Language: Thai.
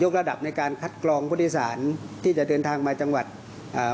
ระดับในการคัดกรองผู้โดยสารที่จะเดินทางมาจังหวัดอ่า